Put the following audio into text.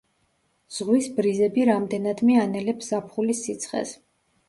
ზღვის ბრიზები რამდენადმე ანელებს ზაფხულის სიცხეს.